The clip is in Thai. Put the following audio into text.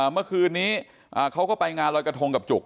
เมื่อคืนนี้เขาก็ไปงานรอยกระทงกับจุก